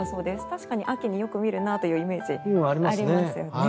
確かに秋によく見るなというイメージがありますよね。